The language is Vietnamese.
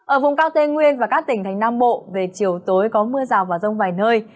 ở vùng cao tây nguyên và các tỉnh thành nam bộ về chiều tối có mưa rào và rông vài nơi